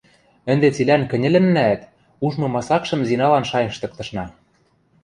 Ӹнде цилӓн кӹньӹлӹннӓӓт, ужмы масакшым Зиналан шайыштыктышна.